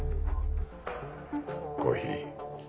コーヒー。